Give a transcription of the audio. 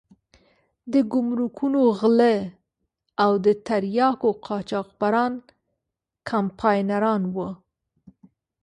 د ګمرکونو غله او د تریاکو قاچاقبران کمپاینران وو.